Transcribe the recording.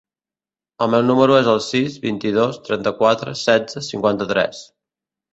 El meu número es el sis, vint-i-dos, trenta-quatre, setze, cinquanta-tres.